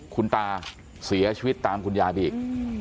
คุณตาเสียชีวิตตามคุณยายไปอีก